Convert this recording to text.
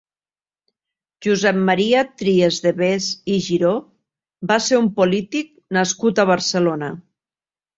Josep Maria Trias de Bes i Giró va ser un polític nascut a Barcelona.